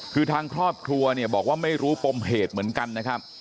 คือทางครอบครัวเนี่ยบอกว่าไม่รู้ปมเหตุเหมือนกันนะครับ